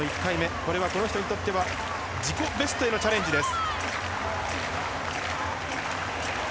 これはこの人にとっては自己ベストへのチャレンジです。